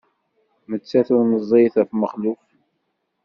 Nettat ur meẓẓiyet am Mexluf.